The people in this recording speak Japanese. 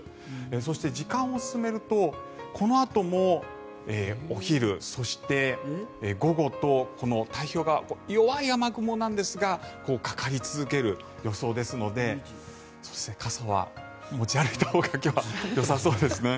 そして、時間を進めるとこのあともお昼、そして午後とこの太平洋側弱い雨雲なんですがかかり続ける予想ですので傘は持ち歩いたほうが今日はよさそうですね。